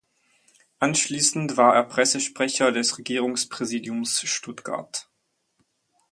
Anschließend war er Pressesprecher des Regierungspräsidiums Stuttgart.